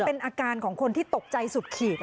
เป็นอาการของคนที่ตกใจสุดขีด